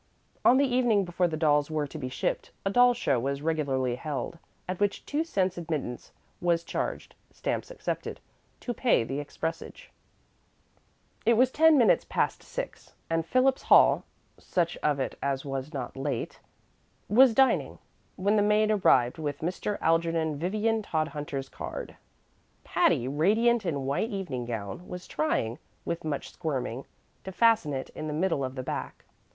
On the evening before the dolls were to be shipped a doll show was regularly held, at which two cents admittance was charged (stamps accepted) to pay the expressage. IT was ten minutes past six, and Phillips Hall (such of it as was not late) was dining, when the maid arrived with Mr. Algernon Vivian Todhunter's card. Patty, radiant in a white evening gown, was trying, with much squirming, to fasten it in the middle of the back.